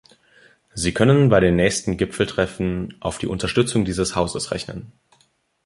Sie können bei den nächsten Gipfeltreffen auf die Unterstützung dieses Hauses rechnen.